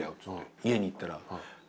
家に行ったら。